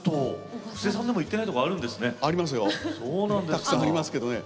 たくさんありますけどね。